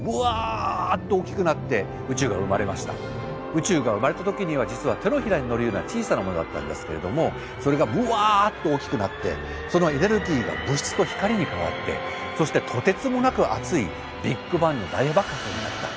宇宙が生まれた時には実は手のひらにのるような小さなものだったんですけれどもそれがぶわっと大きくなってそのエネルギーが物質と光に変わってそしてとてつもなく熱いビッグバンの大爆発になった。